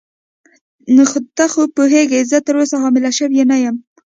خو ته پوهېږې زه تراوسه حامله شوې نه یم.